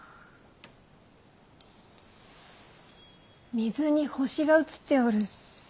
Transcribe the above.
水に星が映っておる。